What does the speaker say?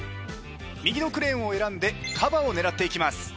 右のクレーンを選んでカバを狙っていきます。